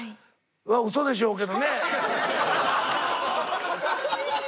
うそでしょうけどね。